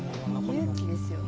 勇気ですよね。